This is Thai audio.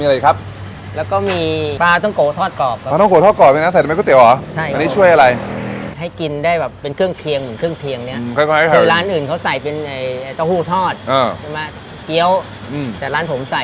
อะก๋วย่มดดาลทำก๋วยเตี๋ยวให้กินแล้วนะครับผมเท่านั้นขอหนึ่งการเลยครับผม